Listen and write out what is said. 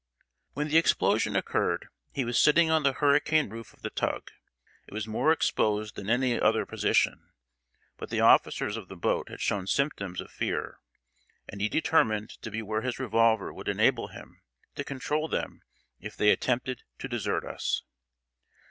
] When the explosion occurred, he was sitting on the hurricane roof of the tug. It was more exposed than any other position, but the officers of the boat had shown symptoms of fear, and he determined to be where his revolver would enable him to control them if they attempted to desert us.